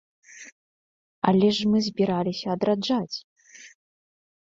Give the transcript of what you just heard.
Але ж мы збіраліся адраджаць!